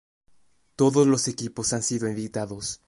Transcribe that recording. Todos los equipos han sido invitados.